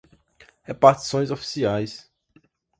repartições oficiais